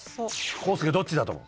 浩介どっちだと思う？